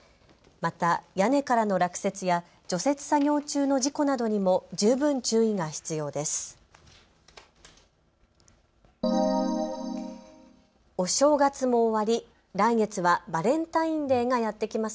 また、屋根からの落雪や除雪作業中の事故などにも十分注意が必要です。